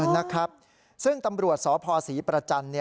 นะครับซึ่งตำรวจสพศรีประจันทร์